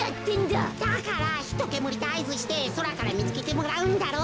だからひとけむりであいずしてそらからみつけてもらうんだろ？